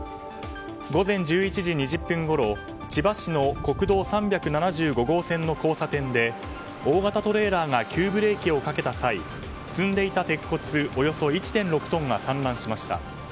午前１１時２０分ごろ千葉市の国道３７５線の交差点で大型トレーラーが急ブレーキをかけた際積んでいた鉄骨およそ１．６トンが散乱しました。